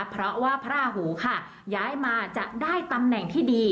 เพราะว่าพระราหูค่ะย้ายมาจะได้ตำแหน่งที่ดี